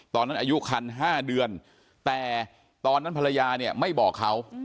ตอนนั้นอายุคัน๕เดือนแต่ตอนนั้นภรรยาเนี่ยไม่บอกเขา